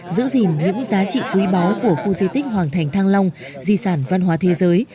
giữ gìn những giá trị quý báu của khu di tích hoàng thành thăng long di sản văn hóa thế giới